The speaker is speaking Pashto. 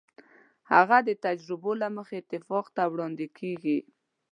هغه د تجربو له مخې اتفاق ته وړاندې کېږي.